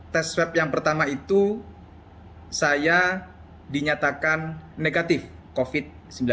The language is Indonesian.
tes swab yang pertama itu saya dinyatakan negatif covid sembilan belas